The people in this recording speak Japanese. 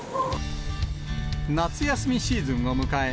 夏休みシーズンを迎え、